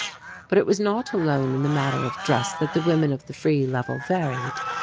But it was not alone in the matter of dress that the women of the Free Level varied.